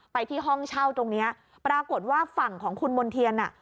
ไปที่ห้องเช่าตรงเนี้ยปรากฏว่าฝั่งของคุณมณ์เทียนอ่ะ